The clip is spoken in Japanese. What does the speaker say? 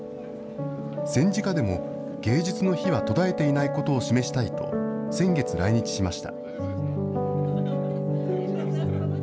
戦時下でも芸術の火は途絶えていないことを示したいと、先月来日しました。